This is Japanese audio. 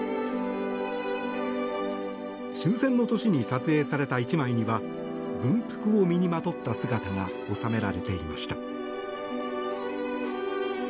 終戦の年に撮影された１枚には軍服を身にまとった姿が収められていました。